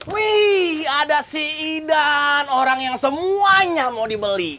wih ada si idan orang yang semuanya mau dibeli